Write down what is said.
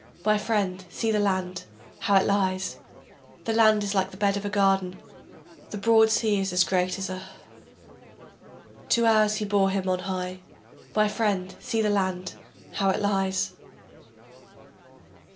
My friend see the land, how it lies, The land is like the bed of a garden, The broad sea is as great as a [.] Two hours he bore him on high. My friend see the land, how it lies.